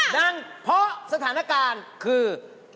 ดังเพราะสถานการณ์คือ